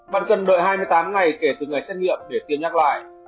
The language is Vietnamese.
bạn cần đợi hai mươi tám ngày kể từ ngày xét nghiệm để tiêm nhắc lại